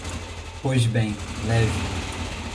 Pois bem, leve-o.